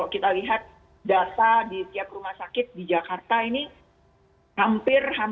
kalau kita lihat